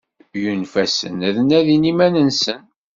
Yunfa-sen ad nadin iman-nsen.